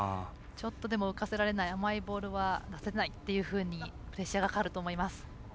ちょっとでも浮かせられない甘いボールは返せないとプレッシャーがかかると思います。